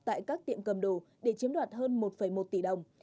tại các tiệm cầm đồ để chiếm đoạt hơn một một tỷ đồng